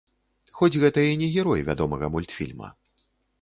Хоць гэта і не герой вядомага мультфільма.